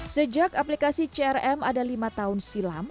sejak aplikasi crm ada lima tahun silam